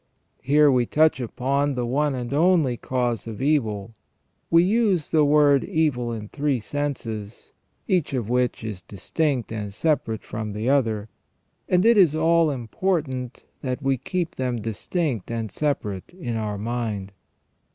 Here we touch upon the one and only cause of evil. We use the word evil in three senses, each of which is distinct and separate from the other, and it is all important that we keep them distinct and separate in our mind.